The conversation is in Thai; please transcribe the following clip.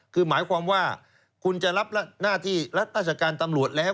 คือหมายความว่าคุณจะรับหน้าที่รัฐราชการตำรวจแล้ว